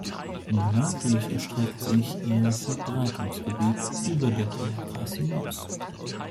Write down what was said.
Nördlich erstreckt sich ihr Verbreitungsgebiet über den Polarkreis hinaus.